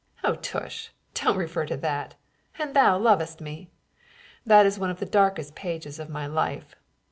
"Oh tush! don't refer to that, an thou lovest me! That is one of the darkest pages of my life.